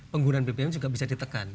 penggunaan bbm juga bisa ditekan